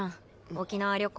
沖縄旅行。